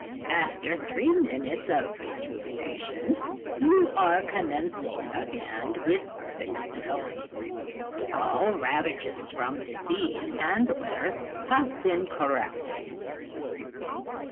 "After three minutes of rejuvenation, you are commencing again with perfect cells. All ravages from disease and wear have been corrected."